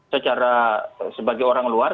secara sebagai orang luar